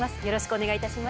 お願いします。